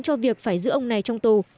cho việc phải giữ ông này trong tù